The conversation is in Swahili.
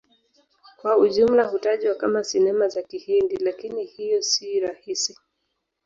Kwa ujumla hutajwa kama Sinema za Kihindi, lakini hiyo si sahihi.